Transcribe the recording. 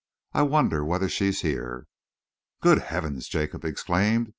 I wonder whether she's here." "Good heavens!" Jacob exclaimed.